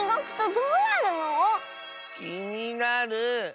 きになる。